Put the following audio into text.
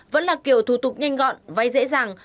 vẫn là kiểu thủ tục nhanh gọn vay dễ dàng